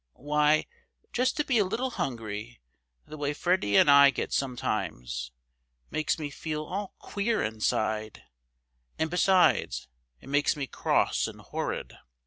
Why, just to be a little hungry, the way Freddy and I get sometimes, makes me feel all queer inside; and besides, it makes me cross and horrid.